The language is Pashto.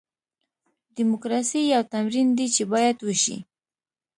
ډیموکراسي یو تمرین دی چې باید وشي.